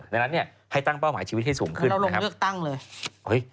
ในนั้นเนี่ยให้ตั้งเป้าหมายชีวิตให้สูงขึ้นนะครับแล้วเราตั้งเรื้อตั้งเลย